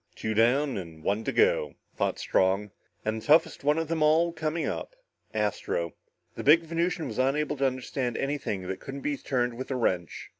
"Two down and one to go," thought Strong, and the toughest one of them all coming up. Astro. The big Venusian was unable to understand anything that couldn't be turned with a wrench.